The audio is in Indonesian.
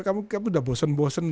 kamu udah bosen bosen